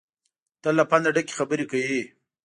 تل له پنده ډکې خبرې کوي.